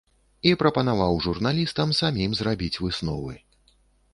І прапанаваў журналістам самім зрабіць высновы.